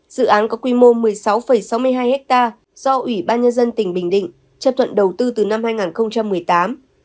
dự án có quy mô một mươi sáu sáu mươi hai ha do ủy ban nhân dân tỉnh bình định chấp thuận đầu tư từ năm hai nghìn một mươi tám